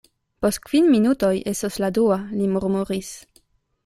Post kvin minutoj estos la dua, li murmuris.